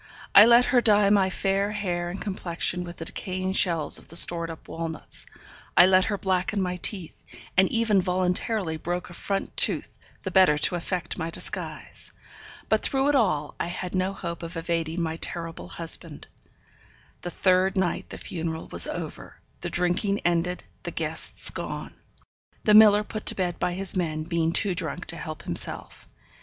I let her dye my fair hair and complexion with the decaying shells of the stored up walnuts, I let her blacken my teeth, and even voluntarily broke a front tooth the better to effect my disguise. But through it all I had no hope of evading my terrible husband. The third night the funeral was over, the drinking ended, the guests gone; the miller put to bed by his men, being too drunk to help himself.